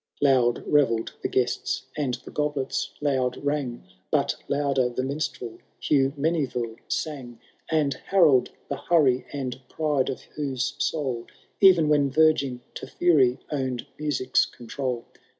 XIII. Loud revelled the guests, and the goblets loud rang. But louder the minstrel, Hugh Meneville, sang ; And Harold, the hurry and pride of whose soul, E*en when verging to fury, own*d music*s control.